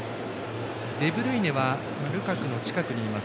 デブルイネはルカクの近くにいます。